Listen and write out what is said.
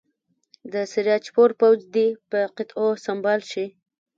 د سراج پور پوځ دې په قطعو سمبال شي.